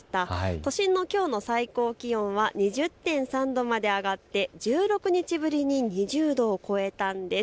都心のきょうの最高気温は２０．３度まで上がって１６日ぶりに２０度を超えたんです。